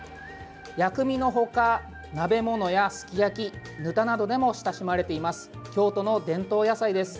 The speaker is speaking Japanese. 薬味の他、鍋物やすき焼き、ぬたなどでも親しまれています。